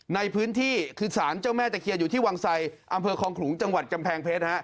ในพื้นที่คือสารเจ้าแม่ตะเคียนอยู่ที่วังไสอำเภอคลองขลุงจังหวัดกำแพงเพชร